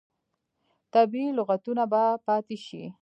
طبیعي لغتونه به پاتې شي.